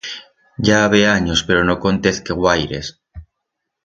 Ya habe anyos pero no contez que guaires.